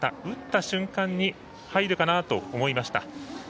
打った瞬間に入るかなと思いました。